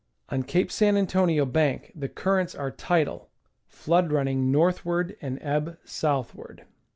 On Cape San Antonio Bank the currents are tidal, flood running northward and ebb southward.